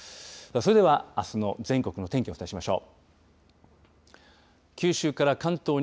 それでは、あすの全国の天気をお伝えしましょう。